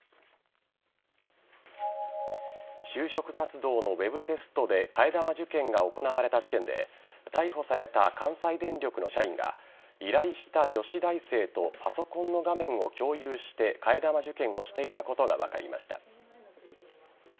就職活動のウェブテストで替え玉受験が行われた事件で逮捕された関西電力の社員が依頼した女子大生とパソコンの画面を共有して替え玉受験をしていたことが分かりました。